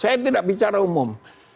saya tidak bicara umum